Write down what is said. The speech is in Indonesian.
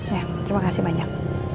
ya terima kasih banyak